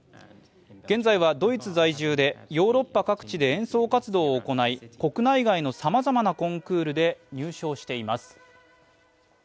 現在はドイツ在住でヨーロッパ各地で演奏活動を行い国内外のさまざまなコンクールで入賞しています。